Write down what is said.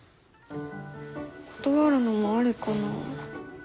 断るのもありかな。